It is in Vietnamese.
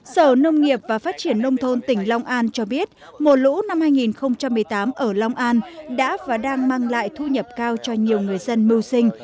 sở nông nghiệp và phát triển nông thôn tỉnh long an cho biết mùa lũ năm hai nghìn một mươi tám ở long an đã và đang mang lại thu nhập cao cho nhiều người dân mưu sinh